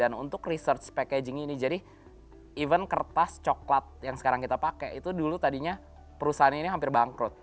dan untuk research packaging ini jadi even kertas coklat yang sekarang kita pakai itu dulu tadinya perusahaan ini hampir bangkrut